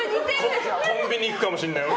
コンビニ行くかもしれない、俺。